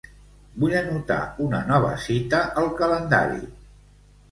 Vull anotar una nova cita al calendari.